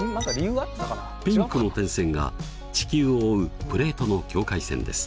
ピンクの点線が地球を覆うプレートの境界線です。